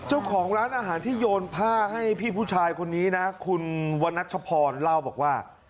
เจ้าของร้านอาหารที่โยนผ้าให้พี่ผู้ชายคนนี้นะคุณวันนัชพรเล่าบอกว่า